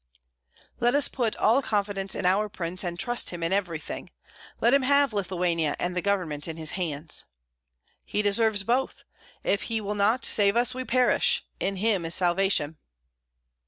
_" "Let us put all confidence in our prince, and trust him in everything. Let him have Lithuania and the government in his hands." "He deserves both. If he will not save us, we perish, in him is salvation."